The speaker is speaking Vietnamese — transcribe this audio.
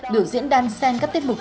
biểu diễn đàn sen các tên bục